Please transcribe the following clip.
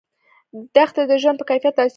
دښتې د ژوند په کیفیت تاثیر کوي.